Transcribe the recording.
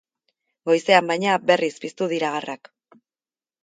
Goizean, baina, berriz piztu dira garrak.